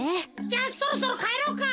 じゃあそろそろかえろうか。